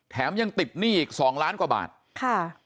ยังติดหนี้อีกสองล้านกว่าบาทค่ะ